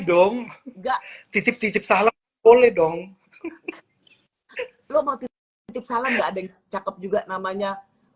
dong enggak titip titip salam boleh dong lo mau titip titip salah enggak ada yang cakep juga namanya